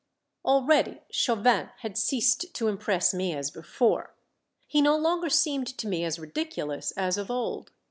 Already Chauvin had ceased to impress me as before. He no longer seemed to me as ridiculous as of old.